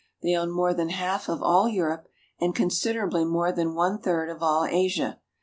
They own more than half of all Europe, and considerably more than one third of all Asia.